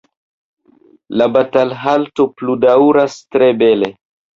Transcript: “La batalhalto pludaŭras tre bele.